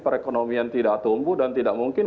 perekonomian tidak tumbuh dan tidak mungkin